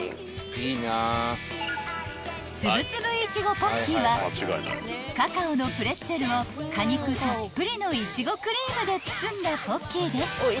［つぶつぶいちごポッキーはカカオのプレッツェルを果肉たっぷりのいちごクリームで包んだポッキーです］